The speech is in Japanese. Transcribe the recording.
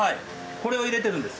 これを入れてるんです。